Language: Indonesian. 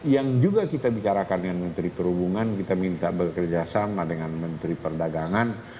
yang juga kita bicarakan dengan menteri perhubungan kita minta bekerja sama dengan menteri perdagangan